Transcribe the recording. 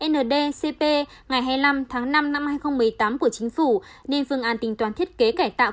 ndcp ngày hai mươi năm tháng năm năm hai nghìn một mươi tám của chính phủ nên phương án tính toán thiết kế cải tạo